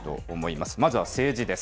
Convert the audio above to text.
まずは政治です。